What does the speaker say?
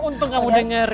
untung kamu denger